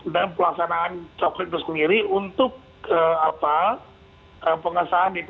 dan pelaksanaan covid sembilan belas itu sendiri untuk pengesahan dpd